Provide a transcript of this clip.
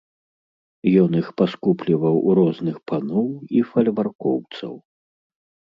Ён іх паскупліваў у розных паноў і фальваркоўцаў.